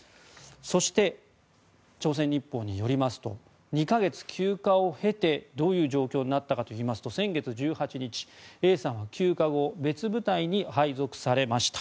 そして、朝鮮日報によりますと２か月休暇を経てどういう状況になったかというと先月１８日Ａさんは休暇後別部隊に配属されました。